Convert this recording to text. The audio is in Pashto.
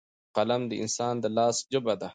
قلم د انسان د لاس ژبه ده.